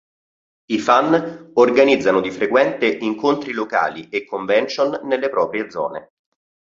I fan organizzano di frequente incontri locali e convention nelle proprie zone.